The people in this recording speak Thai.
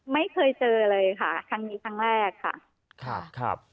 ไม่เคยเจอเลยค่ะครั้งนี้ครั้งแรกค่ะครับ